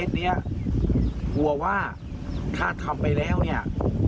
อันนี้กลัวว่าถ้าทำไปแล้วเนี่ย